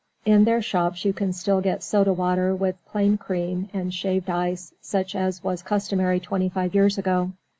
In their shops you can still get soda water with "plain cream" and shaved ice, such as was customary twenty five years ago.